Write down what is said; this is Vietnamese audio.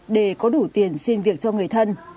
để có đủ tiền xin việc cho người thân